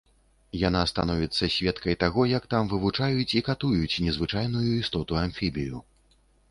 Яна становіцца сведкай таго, як там вывучаюць і катуюць незвычайную істоту-амфібію.